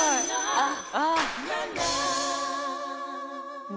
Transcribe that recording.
［あっ。］